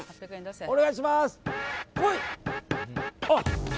お願いします。